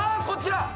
こちら。